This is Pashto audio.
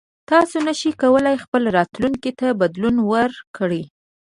تاسو نشئ کولی خپل راتلونکي ته بدلون ورکړئ.